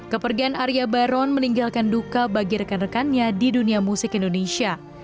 kepergian arya baron meninggalkan duka bagi rekan rekannya di dunia musik indonesia